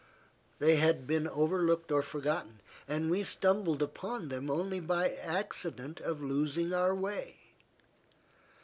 They had been overlooked or forgotten, and we stumbled upon them only by the accident of losing our way.